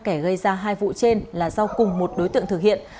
kẻ gây ra hai vụ trên là do cùng một đối tượng thực hiện